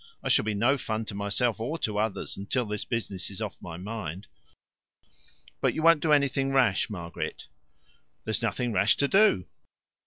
I shall be no fun to myself or to others until this business is off my mind." "But you won't do anything rash, Margaret?" "There's nothing rash to do."